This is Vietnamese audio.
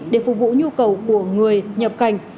để phục vụ nhu cầu của người nhập cảnh